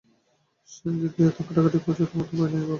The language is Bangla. সেনদিদি বলে, এত ঘাটাঘাটি করছ, তোমার তো ভয় নেই বাবা?